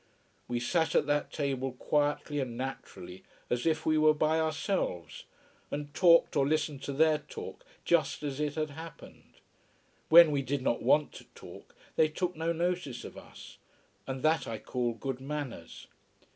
We sat at that table quietly and naturally as if we were by ourselves, and talked or listened to their talk, just as it happened. When we did not want to talk, they took no notice of us. And that I call good manners.